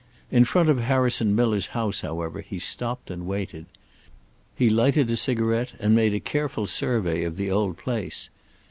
In front of Harrison Miller's house, however, he stopped and waited. He lighted a cigarette and made a careful survey of the old place.